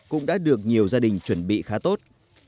cũng đã được nhiều gia đình chuẩn bị khá tốt